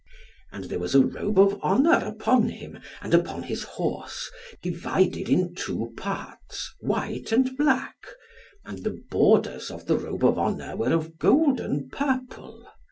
And there was a robe of honour upon him, and upon his horse, divided in two parts, white and black, and the borders of the robe of honour were of golden purple.